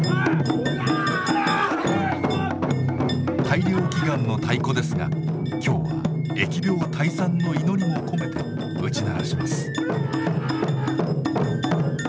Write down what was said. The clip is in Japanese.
大漁祈願の太鼓ですが今日は疫病退散の祈りも込めて打ち鳴らします。